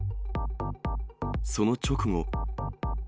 その直後。